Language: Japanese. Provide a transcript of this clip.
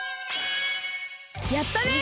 やったね！